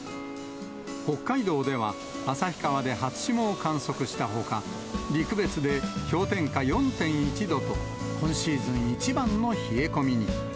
北海道では、旭川で初霜を観測したほか、陸別で氷点下４．１度と、今シーズン一番の冷え込みに。